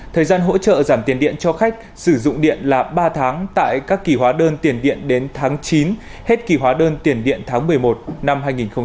thời gian hỗ trợ giảm tiền điện cho khách sử dụng điện là ba tháng tại các kỳ hóa đơn tiền điện đến tháng chín hết kỳ hóa đơn tiền điện tháng một mươi một năm hai nghìn hai mươi